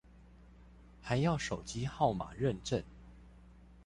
還要手機號碼認證